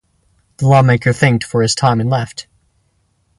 The lawmaker thanked for his time and left.